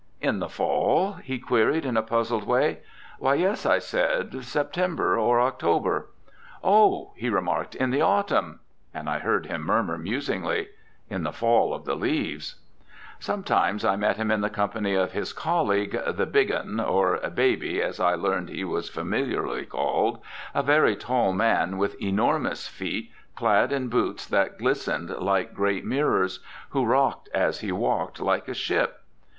"In the fall?" he queried in a puzzled way. "Why, yes," I said; "September or October." "Oh," he remarked, "in the autumn." And I heard him murmur musingly, "In the fall of the leaves." Sometimes I met him in the company of his colleague, the "big un," or "baby," as I learned he was familiarly called, a very tall man with enormous feet clad in boots that glistened like great mirrors, who rocked as he walked, like a ship.